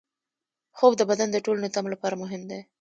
خوب د بدن د ټول نظام لپاره مهم دی